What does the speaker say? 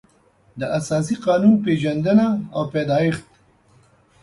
د اساسي قانون پېژندنه او پیدایښت